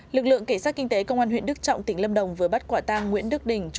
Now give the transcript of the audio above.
lực lượng cảnh sát kinh tế công an huyện đức trọng tỉnh lâm đồng vừa bắt quả tang nguyễn đức đình